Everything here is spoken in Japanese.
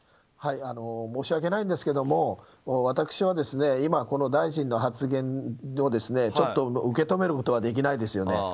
申し訳ないんですけども私は今、この大臣の発言をちょっと受け止めることができないですよね。